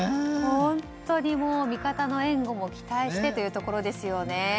本当に味方の援護も期待してというところですよね。